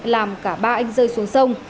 làm cả ba anh rơi xuống sông